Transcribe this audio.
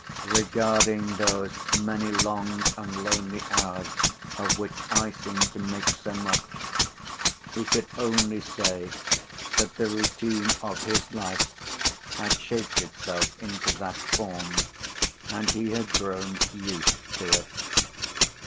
Regarding those many long and lonely hours of which I seemed to make so much, he could only say that the routine of his life had shaped itself into that form, and he had grown used to it.